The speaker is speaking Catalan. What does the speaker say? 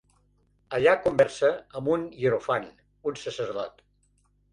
Allà conversa amb un hierofant, un sacerdot.